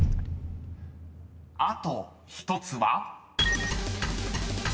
［あと１つは？］